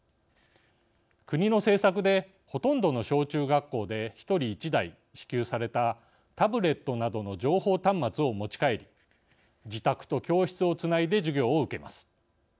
国の政策でほとんどの小中学校で１人１台支給されたタブレットなどの情報端末を持ち帰り自宅と教室をつないで授業を受けます。